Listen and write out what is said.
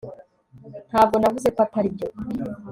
ntabwo navuze ko atari byo